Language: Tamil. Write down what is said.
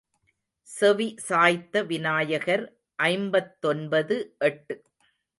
செவி சாய்த்த விநாயகர் ஐம்பத்தொன்பது எட்டு.